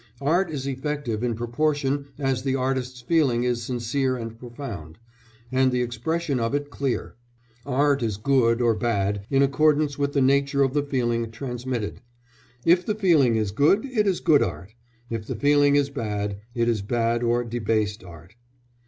Art is effective in proportion as the artist's feeling is sincere and profound, and the expression of it clear; art is good or bad in accordance with the nature of the feeling transmitted; if the feeling is good it is good art, if the feeling is bad it is bad or debased art.